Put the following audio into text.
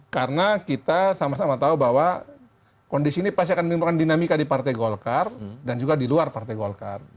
karena kita sama sama tahu bahwa kondisi ini pasti akan menimbulkan dinamika di partai golkar dan juga di luar partai golkar